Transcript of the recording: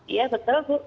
iya betul bu